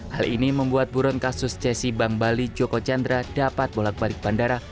hal ini membuat buron kasus cesi bank bali joko chandra dapat bolak balik bandara